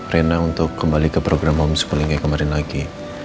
rena untuk kembali ke program homeschoolingnya kemarin lagi